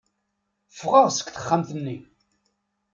Ffɣeɣ seg texxamt-nni.